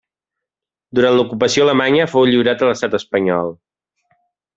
Durant l'ocupació alemanya fou lliurat a l'Estat espanyol.